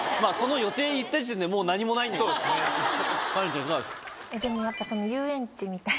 カレンちゃんいかがですか？